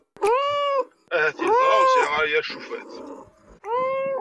Ahat yeẓra ur sɛiɣ ara yir cufat!